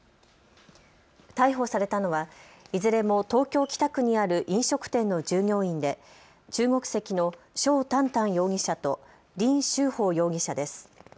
逮捕されたのは、いずれも東京北区にある飲食店の従業員で中国籍の肖丹丹容疑者と林秀芳容疑者です。